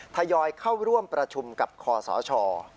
ทยอยเข้าร่วมประชุมกับคอสช